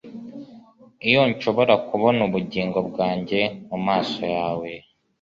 iyo nshobora kubona ubugingo bwanjye mumaso yawe